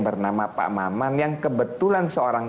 bernama pak maman yang kebetulan seorang